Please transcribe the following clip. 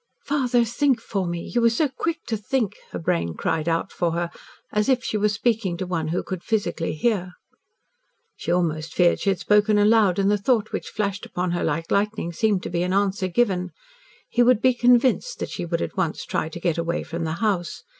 "Father, think for me you were so quick to think!" her brain cried out for her, as if she was speaking to one who could physically hear. She almost feared she had spoken aloud, and the thought which flashed upon her like lightning seemed to be an answer given. He would be convinced that she would at once try to get away from the house.